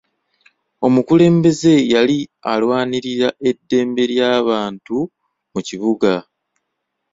Omukulembeze yali alwanirira eddembe ly'abantu mu kibuga.